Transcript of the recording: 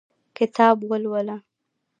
کتاب ولوله